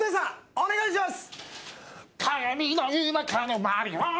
お願いします。